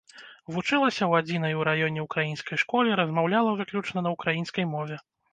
Вучылася ў адзінай у раёне ўкраінскай школе, размаўляла выключна на ўкраінскай мове.